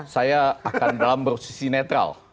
saya akan dalam posisi netral